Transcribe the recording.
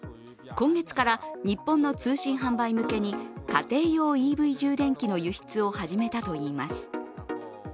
今月から日本の通信販売向けに家庭用ＥＶ充電器の輸出を始めたといいます。